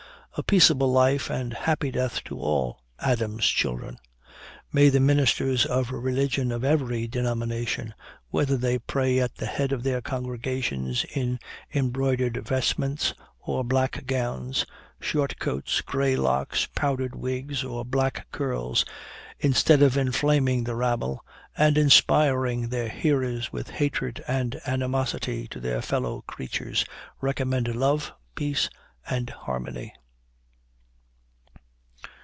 A peaceable life and happy death to all Adam's children! May the ministers of religion of every denomination, whether they pray at the head of their congregations in embroidered vestments or black gowns, short coats, grey locks, powdered wigs, or black curls, instead of inflaming the rabble, and inspiring their hearers with hatred and animosity to their fellow creatures, recommend love, peace, and harmony."